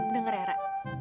denger ya ra